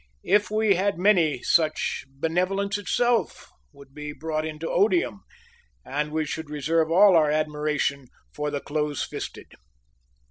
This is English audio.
If we had many such, benevolence itself would be brought into odium, and we should reserve all our admiration for the close fisted.